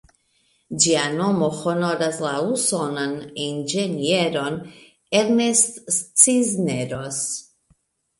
Ĝia nomo honoras la usonan inĝenieron "Ernest Cisneros".